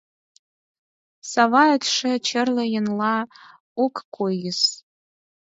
— Саваэтше черле еҥла ок койыс.